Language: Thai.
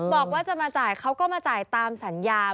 บอกว่าจะมาจ่ายเขาก็มาจ่ายตามสัญญา